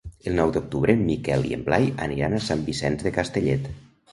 El nou d'octubre en Miquel i en Blai aniran a Sant Vicenç de Castellet.